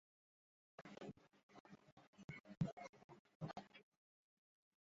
Osmon shunday tusdaki, go‘yo yuzlab musavvir mo‘yqalamini artib olgandek.